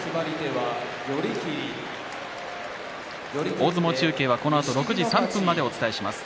大相撲中継は、このあと６時３分までお伝えします。